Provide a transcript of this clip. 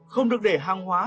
không được để hàng hóa